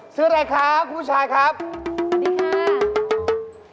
ซื้ออะไรครับคุณผู้ชายครับสวัสดีค่ะ